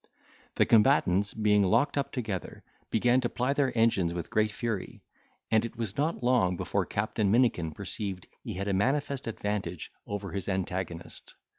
The combatants, being locked up together, began to ply their engines with great fury, and it was not long before Captain Minikin perceived he had a manifest advantage over his antagonist.